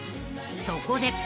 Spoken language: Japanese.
［そこで］